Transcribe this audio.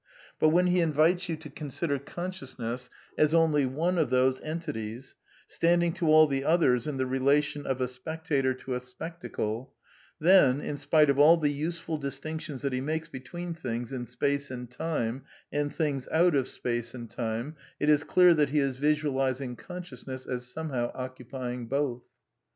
But, when he invites you to consider consciousness as only one of those entities, standing to all the others in the relation of a spectator to a spectacle, then, in spite of all the useful distinctions that he makes between things in space and time, and things out of space and time, it is clear that he is visualising consciousness as somehow oc cupying both.